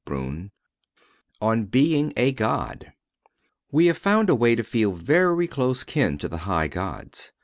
V ON BEING A GOD We have found a way to feel very close kin to the high gods.